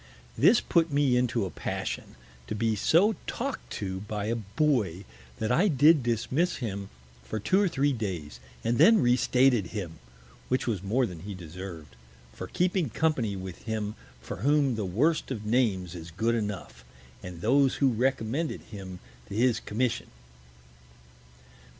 This put me into a Passion, to be so talk'd to by a Boy, that I did dismiss him for two or three Days, and then re stated him, which was more than he deserv'd, for keeping Company with him for whom the worst of Names is good enough, and those who recommended him to his Commission.